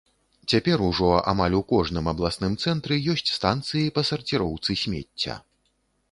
Цяпер ужо амаль у кожным абласным цэнтры ёсць станцыі па сарціроўцы смецця.